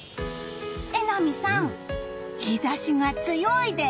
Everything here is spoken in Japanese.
榎並さん、日差しが強いです。